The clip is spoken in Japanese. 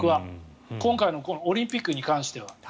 今回のオリンピックに関しては。